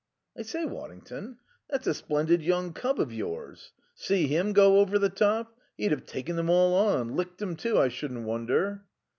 "I say, Waddington, that's a splendid young cub of yours. See him go over the top? He'd have taken them all on. Licked 'em, too, I shouldn't wonder."